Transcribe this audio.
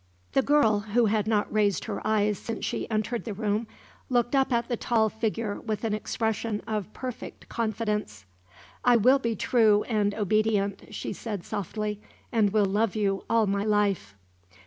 The girl, who had not raised her eyes since she entered the room, looked up at the tall figure with an expression of perfect confidence. "I will be true and obedient," she said softly; "and will love you all my life."